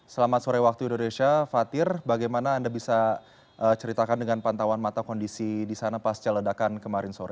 selamat sore waktu indonesia fatir bagaimana anda bisa ceritakan dengan pantauan mata kondisi di sana pasca ledakan kemarin sore